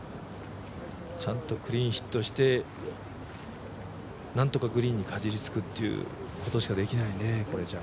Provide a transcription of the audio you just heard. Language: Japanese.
ちゃんとクリーンヒットしてなんとかグリーンにかじりつくってことしかできないね、これじゃ。